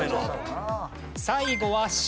最後はＣ。